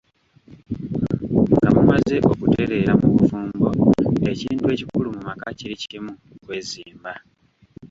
"Nga mumaze okutereera mu bufumbo, ekintu ekikulu mu maka kiri kimu kwezimba."